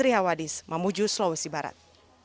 apresirait winri hawadis mamuju sulawesi barat